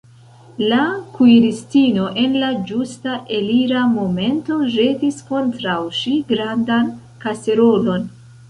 La kuiristino en la ĝusta elira momento ĵetis kontraŭ ŝi grandan kaserolon.